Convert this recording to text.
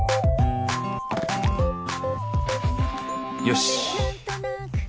よし！